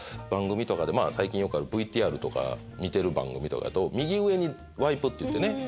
番組とかで最近よくあるＶＴＲとか見てる番組とかやと右上にワイプっていってね